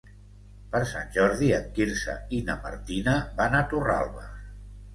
Per Sant Jordi en Quirze i na Martina van a Torralba.